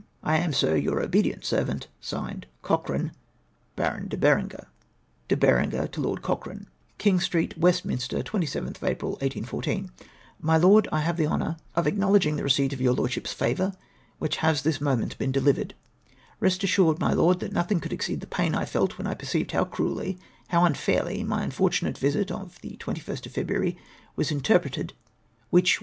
"■ I am, Sir, your obedient Servant, (Signed) " Cochrane. " Baron de Berenger," [De Berenger to Lord Cochrane: —]" King Street, Westminster, April 27th, ISll. " jMy Lord, — I have the honour of acknowledging the 340 REMAKES TIIEREOX. receipt of your Lordship's favour, wliicli lias tliis moment been delivered. " Eest assured, my Lord, that nothing could exceed the pain I felt when I perceived how cruelly, how unfairly my im fortunate visit of tlie 2Lst of February was interpreted (ivhicli, with.